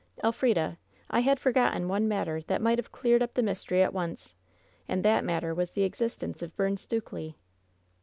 El frida! I had forgotten one matter that might have cleared up the mystery at once ! And that matter was the existence of Byrne Stukely."